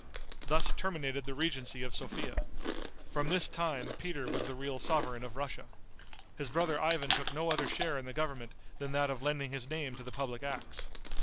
Thus terminated the regency of Sophia. From this time Peter was the real sovereign of Russia. His brother Ivan took no other share in the government than that of lending his name to the public acts.